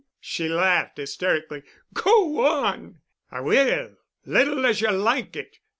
she laughed hysterically. "Go on." "I will, little as ye'll like it.